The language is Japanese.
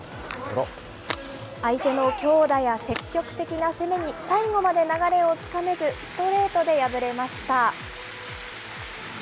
相手の強打や積極的な攻めに最後まで流れをつかめず、ストレートで敗れました。